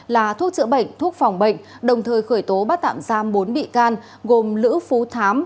là thuốc chữa bệnh thuốc phòng bệnh đồng thời khởi tố bắt tạm giam bốn bị can gồm lữ phú thám